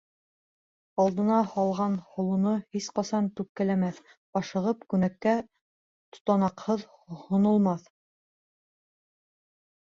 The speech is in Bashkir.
Алдына һалған һолоно һис ҡасан түккеләмәҫ, ашығып, күнәккә тотанаҡһыҙ һонолмаҫ.